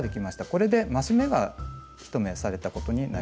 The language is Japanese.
これで増し目が１目されたことになります。